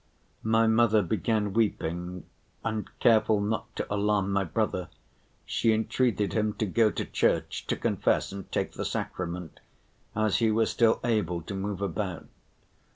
My mother began weeping, and, careful not to alarm my brother, she entreated him to go to church, to confess and take the sacrament, as he was still able to move about.